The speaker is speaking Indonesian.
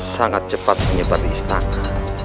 sangat cepat menyebar di istana